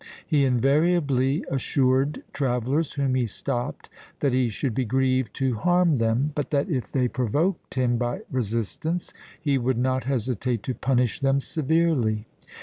"He invariably assured travellers whom he stopped, that he should be grieved to harm them; but that if they provoked him by resistance, he would not hesitate to punish them severely.